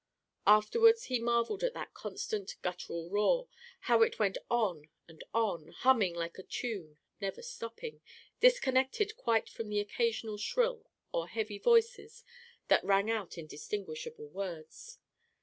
Afterward he marveled at that constant guttural roar, how it went on and on, humming like a tune, never stopping, disconnected quite from the occasional shrill or heavy voices that rang out in distinguishable words.